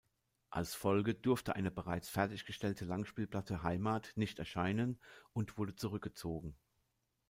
Als Folge, durfte eine bereits fertiggestellte Langspielplatte "Heimat" nicht erscheinen und wurde zurückgezogen.